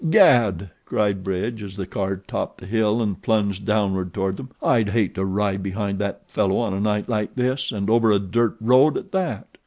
"Gad!" cried Bridge, as the car topped the hill and plunged downward toward them, "I'd hate to ride behind that fellow on a night like this, and over a dirt road at that!"